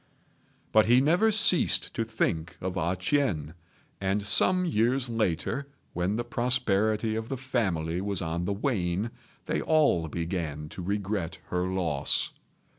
But he never ceased to think of A ch'ien; and some years later, when the prosperity of the family was on the wane, they all began to regret her loss.